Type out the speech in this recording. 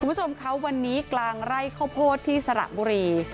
คุณผู้ชมคะวันนี้กลางไร่ข้าวโพดที่สระบุรี